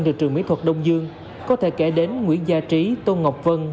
từ trường mỹ thuật đông dương có thể kể đến nguyễn gia trí tôn ngọc vân